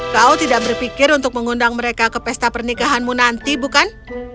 kau tidak berpikir untuk mengundang mereka ke pesta pernikahanmu nanti bukan